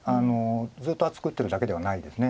ずっと厚く打ってるだけではないです。